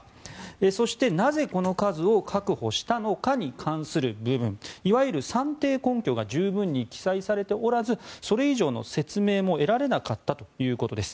そして、なぜこの数を確保したのかに関する部分いわゆる算定根拠が十分に記載されておらずそれ以上の説明も得られなかったということです。